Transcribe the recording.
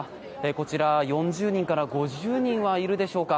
こちら、４０人から５０人はいるでしょうか。